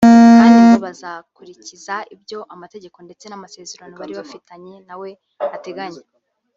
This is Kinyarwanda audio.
kandi ngo bazakurikiza ibyo amategeko ndetse n’amasezerano bari bafitanye nawe ateganya